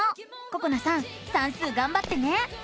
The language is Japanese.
ここなさん算数がんばってね！